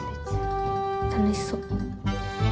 楽しそう。